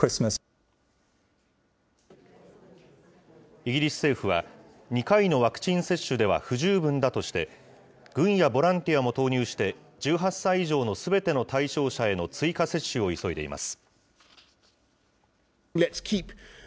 イギリス政府は、２回のワクチン接種では不十分だとして、軍やボランティアも投入して、１８歳以上のすべての対象者への追加接種を急いでいます。